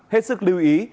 hết sức lưu ý